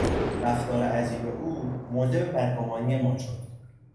رفتار عجیب او موجب بدگمانی ما شد.